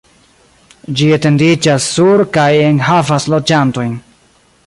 Ĝi etendiĝas sur kaj enhavas loĝantojn.